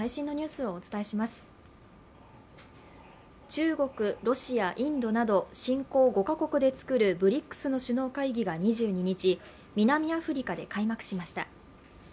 中国、ロシア、インドなど新興５か国でつくるＢＲＩＣＳの首脳会議が２２日南アフリカで開幕しました。